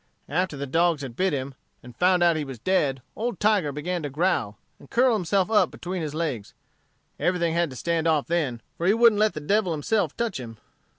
After the dogs had bit him, and found out he was dead, old Tiger began to growl, and curled himself up between his legs. Everything had to stand off then, for he wouldn't let the devil himself touch him.